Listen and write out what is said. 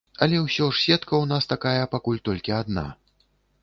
Але ўсё ж сетка ў нас такая пакуль толькі адна.